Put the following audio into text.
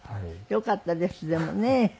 よかったですでもね。